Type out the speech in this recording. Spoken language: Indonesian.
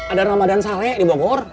ada ramadan saleh di bogor